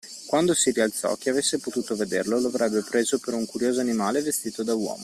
Quando si rialzò, chi avesse potuto vederlo lo avrebbe preso per un curioso animale vestito da uomo.